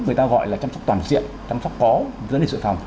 người ta gọi là chăm sóc toàn diện chăm sóc có dẫn đến sự phòng